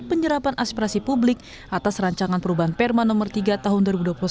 penyerapan aspirasi publik atas rancangan perubahan perma nomor tiga tahun dua ribu dua puluh satu